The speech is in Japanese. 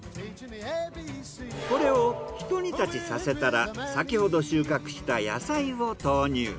これをひと煮立ちさせたら先ほど収穫した野菜を投入。